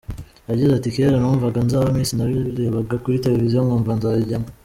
Yagize ati “Kera numvaga nzaba Miss, nabirebaga kuri televiziyo nkumva nzabijyamo.